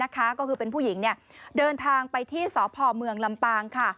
ก็คือเป็นผู้หญิงเดินทางไปที่สพเมืองลำปาง